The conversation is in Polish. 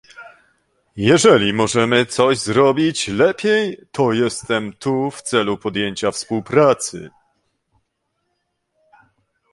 Jeżeli możemy coś zrobić lepiej, to jestem tu w celu podjęcia współpracy